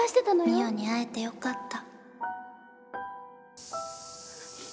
澪に会えてよかった。